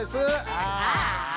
ああ。